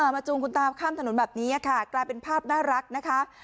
จูงคุณตาข้ามถนนแบบนี้ค่ะกลายเป็นภาพน่ารักนะคะ